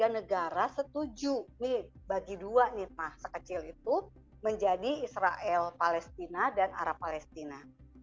tiga puluh tiga negara setuju bagi dua nih sekecil itu menjadi israel palestina dan arab palestina